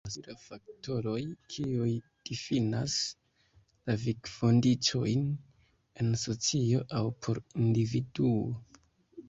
Temas pri la faktoroj, kiuj difinas la vivkondiĉojn en socio aŭ por individuo.